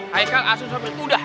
haikal asli sudah